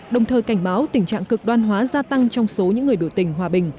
đồng thời cảnh báo tình trạng cực đoan hóa gia tăng trong số những người biểu tình hòa bình